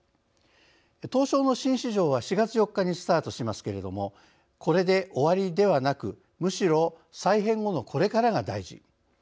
東証の新市場は４月４日にスタートしますけれどもこれで終わりではなくむしろ再編後のこれからが大事。